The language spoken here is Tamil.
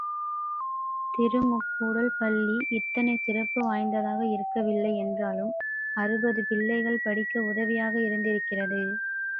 திருமுக்கூடல் பள்ளி இத்தனைச் சிறப்பு வாய்ந்ததாக இருக்கவில்லை என்றாலும் அறுபது பிள்ளைகள் படிக்க உதவியாக இருந்திருக்கிறது.